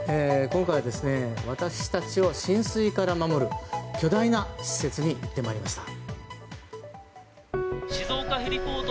今回は私たちを浸水から守る巨大な施設に行ってまいりました。